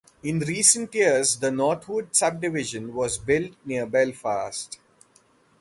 In recent years the Northwood subdivision was built near Belfast.